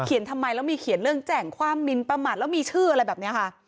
ทำไมแล้วมีเขียนเรื่องแจ่งความมินประมาทแล้วมีชื่ออะไรแบบนี้ค่ะ